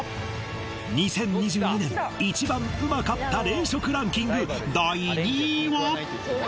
２０２２年一番ウマかった冷食ランキング第２位は？